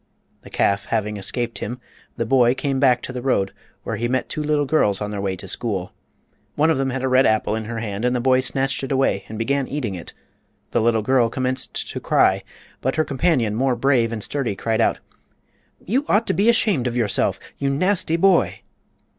The calf having escaped him the boy came back to the road, where he met two little girls on their way to school. One of them had a red apple in her hand, and the boy snatched it away and began eating it. The little girl commenced to cry, but her companion, more brave and sturdy, cried out: "You ought to be ashamed of yourself, you nasty boy!"